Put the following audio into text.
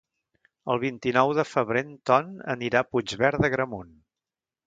El vint-i-nou de febrer en Ton anirà a Puigverd d'Agramunt.